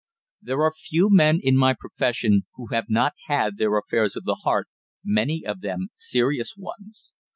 There are few men in my profession who have not had their affairs of the heart, many of them serious ones.